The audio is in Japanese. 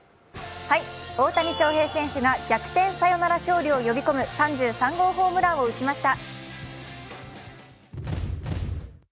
大谷翔平選手が逆転サヨナラ勝利を呼び込む３３号ホームランを打ちました。